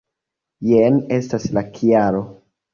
Jen estas la kialo.